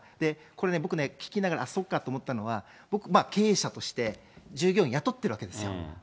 これね、僕ね、聞きながらそっかと思ったのは、僕、経営者として従業員雇ってるわけですよ。